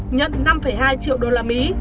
nhận năm hai triệu đô la mỹ